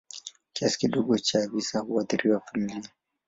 Kiasi kidogo cha visa huathiri familia.